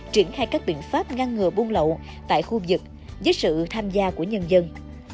triển khai các biện pháp ngăn ngừa buôn lậu tại khu vực với sự tham gia của nhân dân